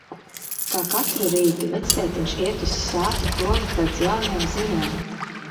Kā katru rītu, vectētiņš iet uz Sātu krogu pēc jaunām ziņām.